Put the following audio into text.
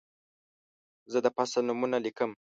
زه د فصل نومونه لیکم.